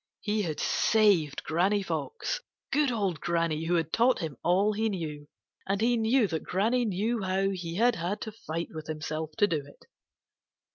He had saved Granny Fox, good old Granny who had taught him all he knew. And he knew that Granny knew how he had had to fight with himself to do it.